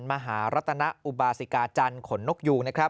มหารัตนอุบาสิกาจันทร์ขนนกยูงนะครับ